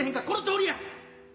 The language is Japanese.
このとおりや。